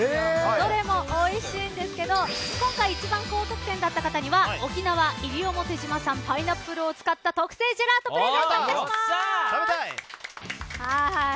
どれもおいしいんですけど今回、一番高得点だった方には沖縄西表島産のパイナップルを使った特製ジェラートプレゼントいたします。